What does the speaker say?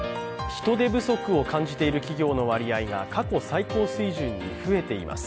人手不足を感じている企業の割合が過去最高水準に増えています。